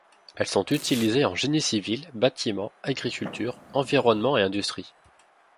Elles sont utilisées en génie civil, bâtiment, agriculture, environnement et industries.